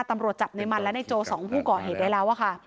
ตำรวจจับในมันและในโจสองผู้ก่อเหตุได้แล้วค่ะ